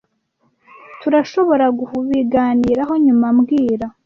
Tturashoborakubiganiraho nyuma mbwira